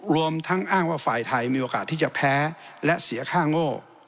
รวมทั้งอ้างว่าฝ่ายไทยมีโอกาสที่จะแพ้และเสียค่าโง่